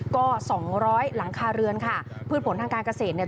ก็สองร้อยหลังคาเรือนค่ะพืชผลทางการเกษตรเนี่ย